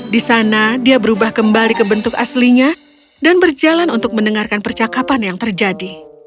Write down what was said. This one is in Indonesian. di sana dia berubah kembali ke bentuk aslinya dan berjalan untuk mendengarkan percakapan yang terjadi